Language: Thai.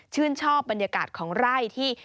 ชอบบรรยากาศของไร่ที่